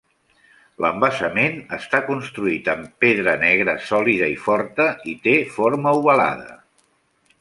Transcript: L"embassament està construït amb pedra negra sòlida i forta, i té forma ovalada.